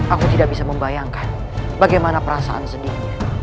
aku tidak bisa membayangkan bagaimana perasaan sedihnya